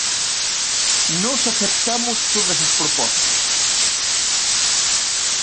Nós aceptamos todas as propostas.